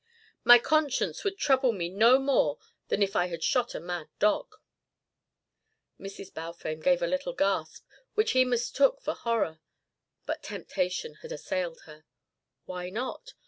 My conscience would trouble me no more than if I had shot a mad dog." Mrs. Balfame gave a little gasp, which he mistook for horror. But temptation had assailed her. Why not?